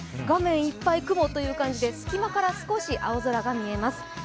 画面いっぱい雲という感じで隙間から少し青空が見えます。